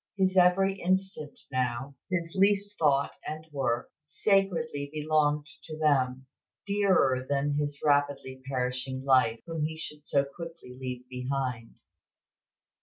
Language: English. His every instant now, his least thought and work, sacredly belonged to them, dearer than his rapidly perishing life, whom he should so quickly leave behind."